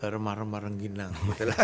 remar remar yang ginang